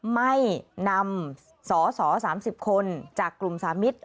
ไม่นำสส๓๐คนจากกลุ่มสามิตร